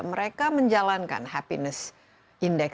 mereka menjalankan happiness index